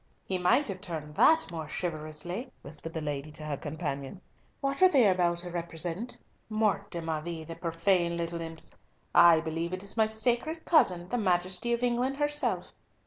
"He might have turned that more chivalrously," whispered the lady to her companion. "What are they about to represent? Mort de ma vie, the profane little imps! I, believe it is my sacred cousin, the Majesty of England herself!